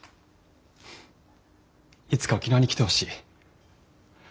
いつか沖縄に来てほしい。